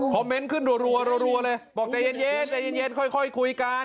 เมนต์ขึ้นรัวเลยบอกใจเย็นใจเย็นค่อยคุยกัน